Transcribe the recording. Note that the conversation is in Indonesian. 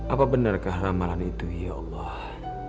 apa benarkah ramalan itu ya allah